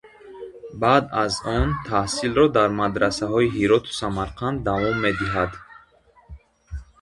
Баъд аз он таҳсилро дар мадрасаҳои Ҳироту Самарқанд давом медиҳад.